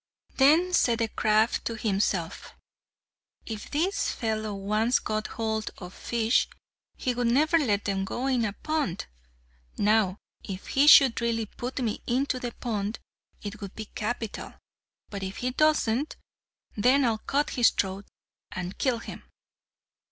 Then said the crab to himself, "If this fellow once got hold of fish, he would never let them go in a pond! Now if he should really put me into the pond, it would be capital; but if he doesn't then I'll cut his throat, and kill him!"